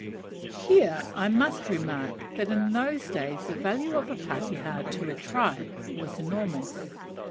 Here I must remark that in those days the value of a pakeha to a tribe was enormous.